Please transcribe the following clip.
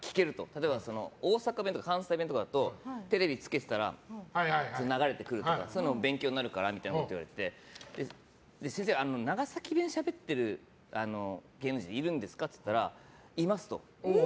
例えば、関西弁とかだとテレビつけてたら流れてくるとかそういうのも勉強になるからみたいなことを言われて先生に長崎弁をしゃべってる芸能人いるんですか？と聞いたらいますと。